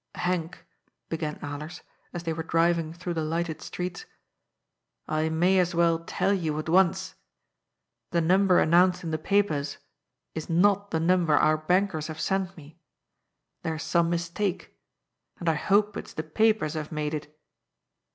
" Henk," began Alers, as they were driving through the lighted streets, " I may as well tell you at once. The num ber announced in the papers is not the number our bankers have sent me. There's some mistake. And I hope it's the papers have made it."